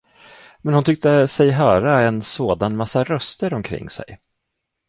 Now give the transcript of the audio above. Men hon tyckte sig höra en sådan massa röster omkring sig.